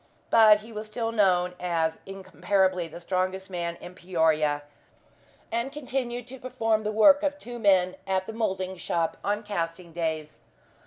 But he was still known as incomparably the strongest man in Peoria, and continued to perform the work of two men at the moulding shop on casting days.